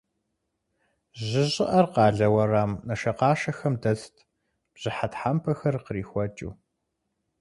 Жьы щӏыӏэр къалэ уэрам нашэкъашэхэм дэтт, бжьыхьэ тхьэмпэхэр кърихуэкӏыу.